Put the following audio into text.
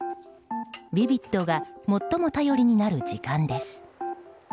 ヴィヴィッドが最も頼りになる時間です。